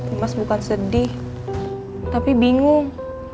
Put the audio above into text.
emas bukan sedih tapi bingung